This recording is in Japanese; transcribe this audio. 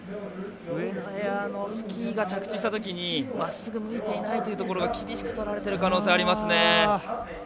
上のエアのスキーが着地したときにまっすぐ向いていないというところが厳しくとられてる可能性がありますね。